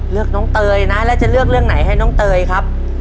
เลือกน้องเตยนะแล้วจะเลือกเรื่องไหนให้น้องเตยครับ